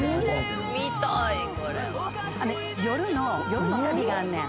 夜の旅があんねん。